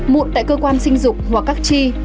mụn tại cơ quan sinh dục hoặc các chi